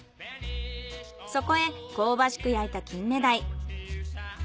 そこへ香ばしく焼いたキンメダイ。